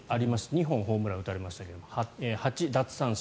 ２本ホームランを打たれましたが８奪三振。